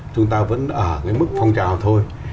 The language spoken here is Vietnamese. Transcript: chúng ta vẫn ở cái mức phong trào thôi